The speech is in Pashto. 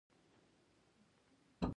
هغه غلى و.